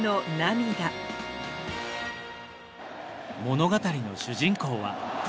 物語の主人公は。